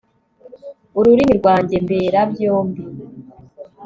ururimi rwange mberabyombi